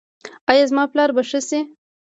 ایا زما پلار به ښه شي؟